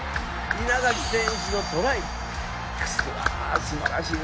稲垣選手のトライすばらしいな。